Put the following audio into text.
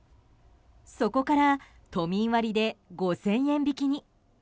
そこから都民割で５０００円引きに。